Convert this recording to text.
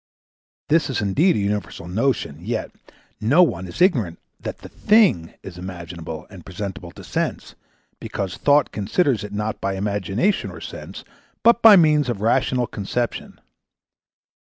This is indeed a universal notion, yet no one is ignorant that the thing is imaginable and presentable to Sense, because Thought considers it not by Imagination or Sense, but by means of rational conception.